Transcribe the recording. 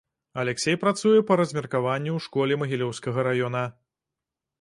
Аляксей працуе па размеркаванні ў школе магілёўскага раёна.